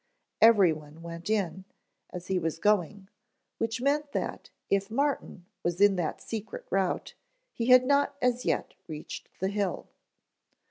Everyone went in, as he was going, which meant that, if Martin was in that secret route, he had not as yet reached the hill.